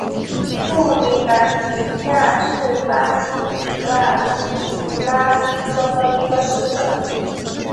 富尼兰迪亚是巴西米纳斯吉拉斯州的一个市镇。